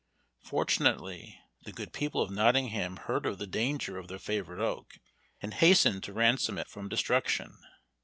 Fortunately the good people of Nottingham heard of the danger of their favorite oak, and hastened to ransom it from destruction.